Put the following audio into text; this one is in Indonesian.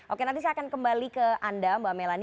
oke nanti saya akan kembali ke anda mbak melani